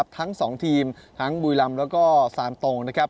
ทั้งสองทีมทั้งบุยรำแล้วก็ซานตรง